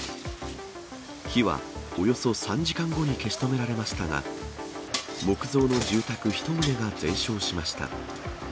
火はおよそ３時間後に消し止められましたが、木造の住宅１棟が全焼しました。